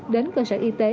đến cơ sở y tế